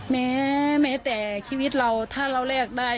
แม้แต่ชีวิตเราถ้าเราแลกได้